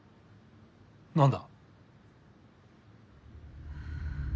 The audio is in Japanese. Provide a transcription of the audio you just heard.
何だ？